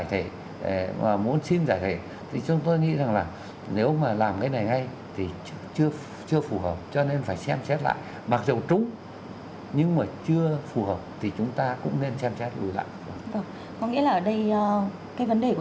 chúng tôi nghĩ là nên hướng tới cái đó